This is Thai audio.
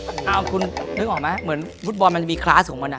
เพราะละเอาคุณเนาะออกมาหมดเหมือนแบบมันมีคลอสของมันอะ